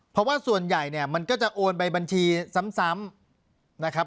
เพราะว่าส่วนใหญ่เนี่ยมันก็จะโอนไปบัญชีซ้ำนะครับ